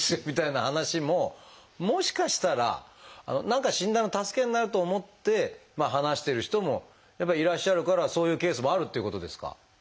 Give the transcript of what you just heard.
みたいな話ももしかしたら何か診断の助けになると思って話している人もやっぱいらっしゃるからそういうケースもあるっていうことですか？